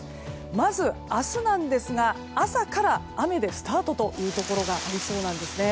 まず明日なんですが朝から雨でスタートというところがありそうなんですね。